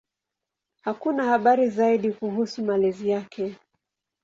Hakuna habari zaidi kuhusu malezi yake.